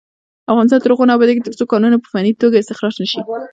افغانستان تر هغو نه ابادیږي، ترڅو کانونه په فني توګه استخراج نشي.